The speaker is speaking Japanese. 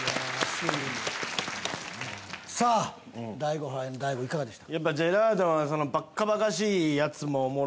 さあ大悟杯の大悟いかがでした？